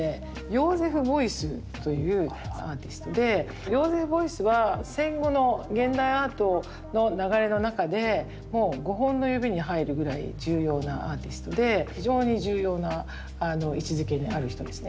ヨーゼフ・ボイスというアーティストでヨーゼフ・ボイスは戦後の現代アートの流れの中でもう五本の指に入るぐらい重要なアーティストで非常に重要な位置づけにある人ですね。